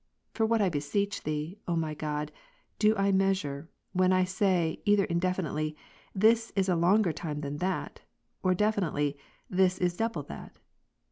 For what I beseech Thee, O my God, do I mea sure, when I say, either indefinitely "this is a longer time than that," or definitely "this is double that